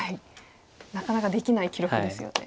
なかなかできない記録ですよね。